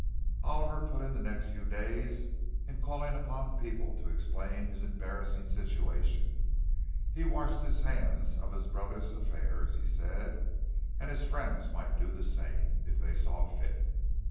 Oliver put in the next few days in calling upon people to explain his embarrassing situation. He washed his hands of his brother's affairs, he said; and his friends might do the same, if they saw fit.